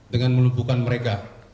dengan melumpuhkan mereka